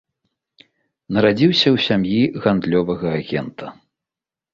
Нарадзіўся ў сям'і гандлёвага агента.